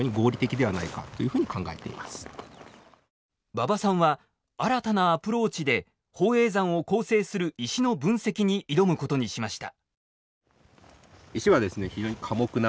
馬場さんは新たなアプローチで宝永山を構成する石の分析に挑むことにしました。